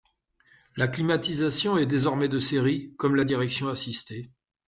La climatisation est désormais de série, comme la direction assistée.